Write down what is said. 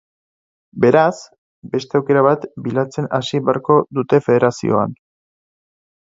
Beraz, beste aukera bat bilatzen hasi beharko dute federazioan.